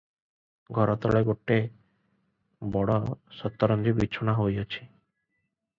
ଘରତଳେ ଗୋଟିଏ ବଡ଼ ଶତରଞ୍ଜି ବିଛଣା ହୋଇଅଛି ।